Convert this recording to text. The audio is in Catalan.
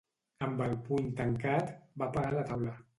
Amb el puny tancat, va pegar la taula.